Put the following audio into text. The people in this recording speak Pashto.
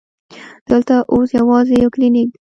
دلته اوس یوازې یو کلینک دی.